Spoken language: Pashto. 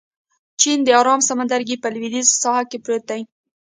چین د ارام سمندرګي په لوېدیځ ساحل کې پروت دی.